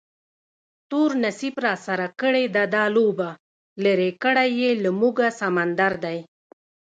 تور نصیب راسره کړې ده دا لوبه، لرې کړی یې له موږه سمندر دی